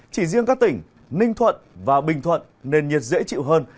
chỉ riêng các tỉnh ninh thuận và bình thuận nền nhiệt dễ chịu hơn